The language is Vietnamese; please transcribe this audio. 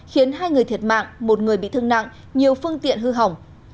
khiến hai người thiệt mạng một người bị thương nặng nhiều phương tiện hư hỏng